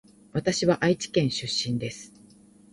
わたしは愛知県出身です